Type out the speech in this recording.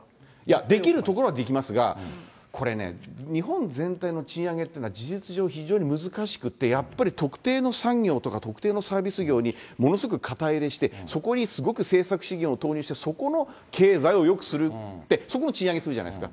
できるところはできますが、これね、日本全体の賃上げっていうのは、事実上、非常に難しくて、やっぱり特定の産業とか特定のサービス業にものすごく肩入れして、そこにすごく政策資金を投入してそこの経済をよくするって、そこを賃上げするじゃないですか。